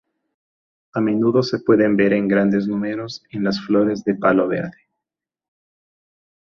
A menudo se pueden ver en grandes números en las flores de palo verde.